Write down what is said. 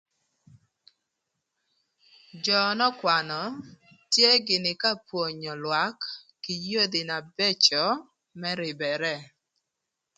Jö n'ökwanö tye gïnï ka pwonyo lwak kï yodhi na bëcö më rïbërë.